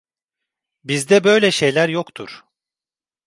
Bizde böyle şeyler yoktur.